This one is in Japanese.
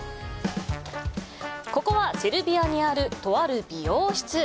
ここはセルビアにあるとある美容室。